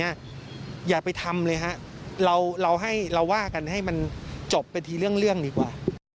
อย่าไปทำเลยฮะเราให้เราว่ากันให้มันจบไปทีเรื่องดีกว่า